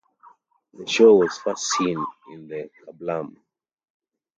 The show was first seen in the KaBlam!